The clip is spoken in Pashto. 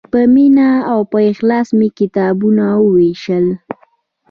په مینه او اخلاص مې کتابونه ووېشل.